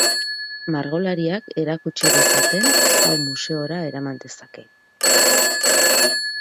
Margolariak erakutsi dezaten hau museora eraman dezake.